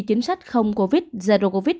chính sách không covid zero covid